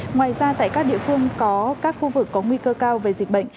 ngoài ra tại các địa phương có các khu vực có nguy cơ cao về dịch bệnh